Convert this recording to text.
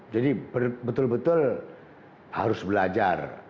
jadi betul betul harus belajar